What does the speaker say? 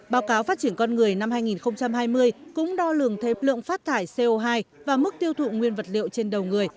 báo cáo phát triển con người năm hai nghìn hai mươi cũng đo lường thêm lượng phát thải co hai và mức tiêu thụ nguyên vật liệu trên đầu người